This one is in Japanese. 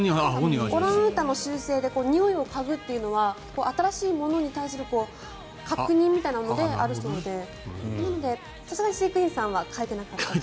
オランウータンの習性でにおいを嗅ぐっていうのは新しいものに対する確認みたいなのであるそうでさすがに飼育員さんは嗅いでいなかったと。